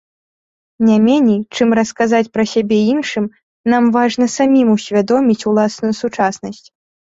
Не меней, чым расказаць пра сябе іншым, нам важна самім усвядоміць уласную сучаснасць.